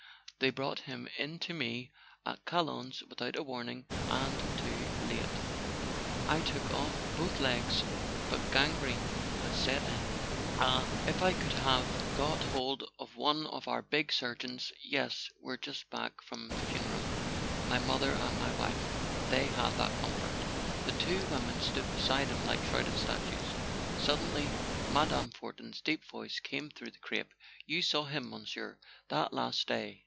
They brought him in to me at Chalons without a warning —and too late. I took off both legs, but gangrene had set in. Ah—if I could have got hold of one of our big surgeons. .. Yes, we're just back from the funeral. .. My mother and my wife ... they had that comfort. .." The two women stood beside him like shrouded statues. Suddenly Mme. Fortin's deep voice came through the crape: "You saw him, Monsieur, that last day